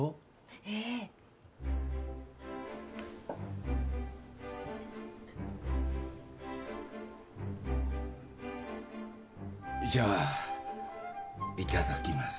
ええじゃあいただきます